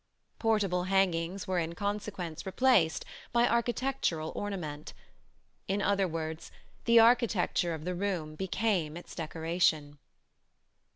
Portable hangings were in consequence replaced by architectural ornament: in other words, the architecture of the room became its decoration.